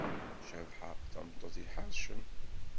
Cabḥa d tameṭṭut iḥercen.